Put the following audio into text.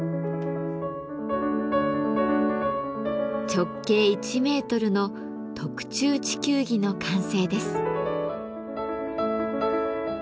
直径１メートルの特注地球儀の完成です。